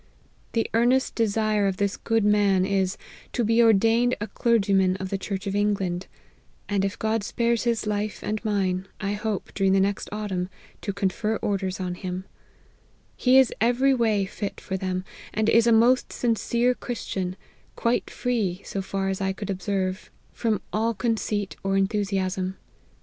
The earnest de sire of this good man is, to be ordained a clergyman of the church of England ; and if God spares his life and mine, I hope, during the next autumn, to confer orders on him. He is every way fit for them, and is a most sincere Christian, quite free, so far as I could observe, from all conceit or enthu * A rupee is worth about fifty cents. APPENDIX. ' 239 siasm.